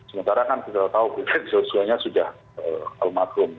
sementara kan kita tahu selesainya sudah almatrum